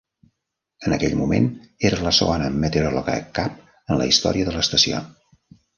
En aquell moment, era la segona meteoròloga cap en la història de l'estació.